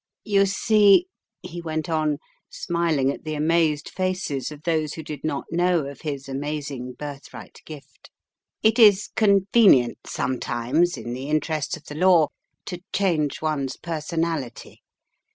"You see," he went on, smiling at the amazed faces of those who did not know of his amazing birthright gift, "it is con venient sometimes, in the interests of the law, to change one's personality.